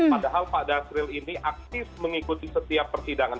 padahal pak dasril ini aktif mengikuti setiap persidangan